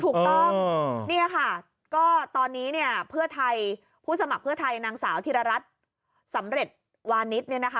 ถูกต้องกอตอนนี้เนี่ยระเบิฮณายนังสาวธิระรัชสำเร็จวานิสเนี่ยนะคะ